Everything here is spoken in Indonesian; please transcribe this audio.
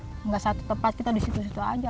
tidak satu tempat kita di situ situ aja